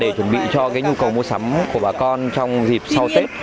để chuẩn bị cho nhu cầu mua sắm của bà con trong dịp sau tết